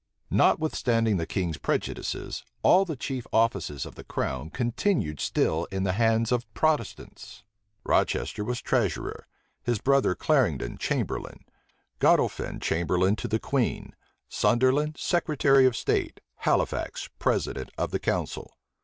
Notwithstanding the king's prejudices, all the chief offices of the crown continued still in the hands of Protestants. Rochester was treasurer; his brother Clarendon chamberlain, Godolphin chamberlain to the queen; Sunderland secretary of state; Halifax president of the council.